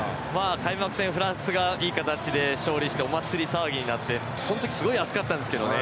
開幕戦フランスがいい形で勝利してお祭り騒ぎになってその時はすごい暑かったんですけどね。